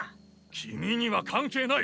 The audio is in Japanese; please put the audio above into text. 君には関係ない。